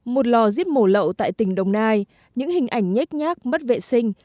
một lò díp mổ lậu tại tỉnh đồng nai những hình ảnh nhét nhát mất vệ sinh